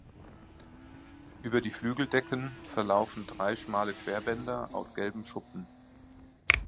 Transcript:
Über die Flügeldecken verlaufen drei schmale Querbänder aus gelben Schuppen.